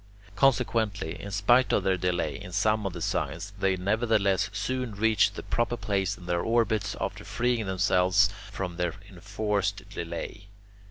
Consequently, in spite of their delay in some of the signs, they nevertheless soon reach the proper place in their orbits after freeing themselves from their enforced delay.